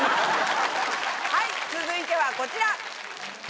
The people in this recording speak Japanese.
はい、続いてはこちら。